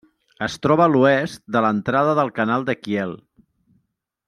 Es troba a l'oest de l'entrada del Canal de Kiel.